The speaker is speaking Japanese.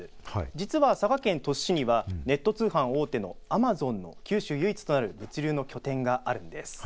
実は、佐賀県鳥栖市にはネット通販大手のアマゾンの九州唯一となる物流の拠点があるんです。